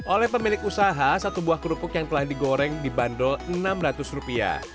oleh pemilik usaha satu buah kerupuk yang telah digoreng dibanderol rp enam ratus